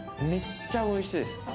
めっちゃおいしいです。